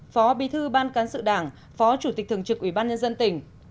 phó bí thư ban cán sự đảng phó chủ tịch thường trực ubnd tỉnh